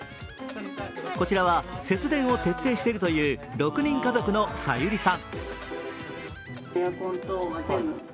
こちらは節電を徹底しているという６人家族のさゆりさん。